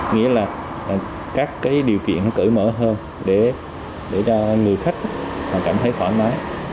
nghĩa là các điều kiện cởi mở hơn để cho người khách cảm thấy thoải mái